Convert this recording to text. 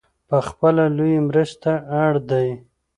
پخپله لویې مرستې ته اړ دی .